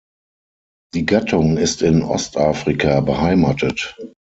Die Gattung ist in Ostafrika beheimatet.